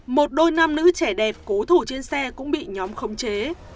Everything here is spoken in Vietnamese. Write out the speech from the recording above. một đôi nam nữ trẻ đẹp cố thủ trên xe cũng bị nhóm khống chế